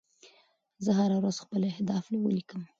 زه هره ورځ خپل اهداف ولیکم.